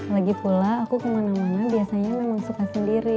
lagipula aku kemana mana biasanya memang suka sendiri